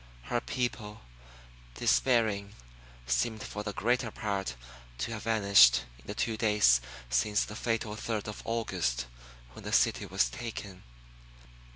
Her people, despairing, seemed for the greater part to have vanished in the two days since the fatal third of August when the city was taken.